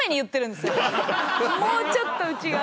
もうちょっと内側に。